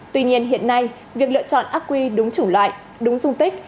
tuy nhiên hiện nay việc lựa chọn ác quy đúng chủng loại đúng dung tích